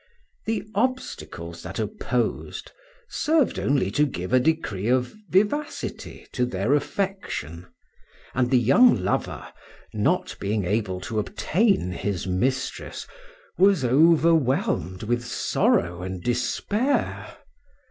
The obstacles that opposed served only to give a decree of vivacity to their affection, and the young lover, not being able to obtain his mistress, was overwhelmed with sorrow and despair.